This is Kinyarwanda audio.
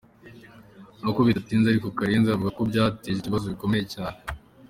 Nubwo bitatinze ariko Karenzi avuga ko byateje ibibazo bikomeye cyane.